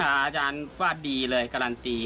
อาจารย์ว่าดีเลยการันตี